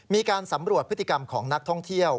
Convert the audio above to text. มีการสำรวจพฤติกรรมของนักท่องเที่ยว